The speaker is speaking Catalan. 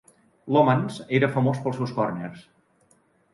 Lomans era famós pels seus corners.